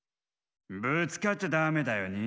ぶつかっちゃダメだよね。